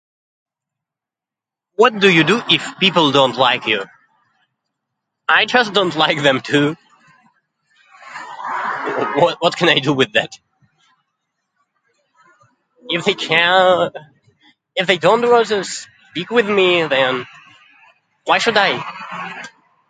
What do you do if people don't like you ? I just don't like them too! Wha- what can I do with that? If they can - If they don’t want to speak with me, then, why should I ?